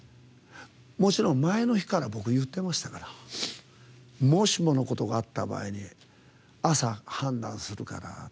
もちろん前の日から僕は言ってましたからもしものことがあった場合に朝、判断するから。